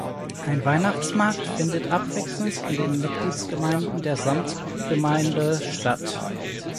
Ein Weihnachtsmarkt findet abwechselnd in den Mitgliedsgemeinden der Samtgemeinde statt.